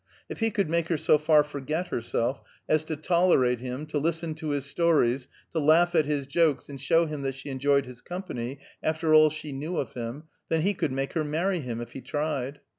If he could make her so far forget herself as to tolerate him, to listen to his stories, to laugh at his jokes, and show him that she enjoyed his company, after all she knew of him, then he could make her marry him, if he tried.